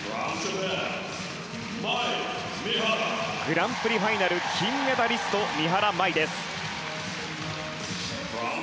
グランプリファイナル金メダリスト三原舞依です。